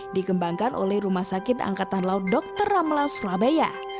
dikembangkan oleh rumah sakit angkatan laut dr ramlan surabaya